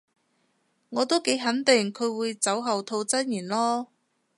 我都幾肯定佢會酒後吐真言囉